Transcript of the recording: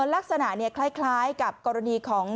ลักษณะคล้ายกับกรณีของ